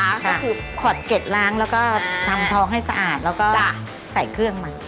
ก็คือขอดเก็ตล้างแล้วก็ทำทองให้สะอาดแล้วก็ใส่เครื่องมา